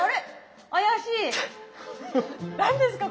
何ですか？